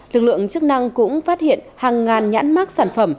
lực lượng chức năng cũng phát hiện hàng ngàn nhãn mát sản phẩm